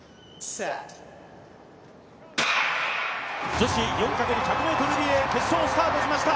女子４×１００ｍリレー決勝スタートしました。